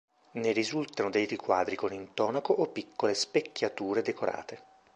Ne risultano dei riquadri con intonaco o piccole specchiature decorate.